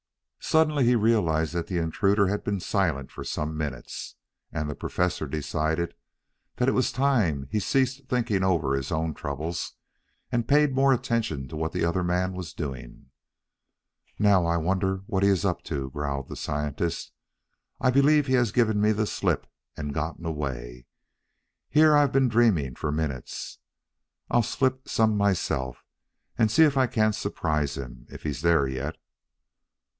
Suddenly he realized that the intruder had been silent for some minutes, and the Professor decided that it was time he ceased thinking over his own troubles and paid more attention to what the other man was doing. "Now, I wonder what he is up to," growled the scientist. "I believe he has given me the slip and gotten away. Here I've been dreaming for minutes. I'll slip some myself and see if I can't surprise him if he's there yet."